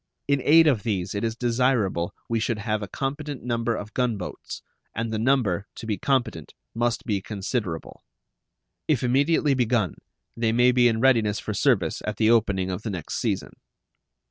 In aid of these it is desirable we should have a competent number of gun boats, and the number, to be competent, must be considerable. If immediately begun, they may be in readiness for service at the opening of the next season.